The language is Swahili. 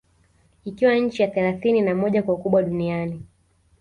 Ikiwa nchi ya thelathini na moja kwa ukubwa Duniani